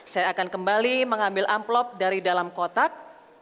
saya akan kembali mengambil amplop dari dalam kotak